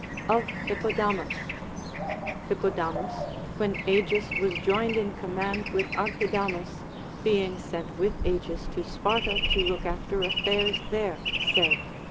Of Hippodamus. Hippodamus, Avhen Agis was joined in command with Archidamus, being sent with Agis to Sparta to look after affairs there, said.